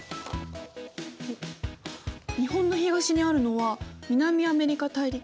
日本の東にあるのは南アメリカ大陸。